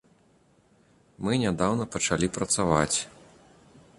Мы нядаўна пачалі працаваць.